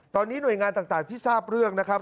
ตอนนี้หน่วยงานต่างที่ทราบเรื่องนะครับ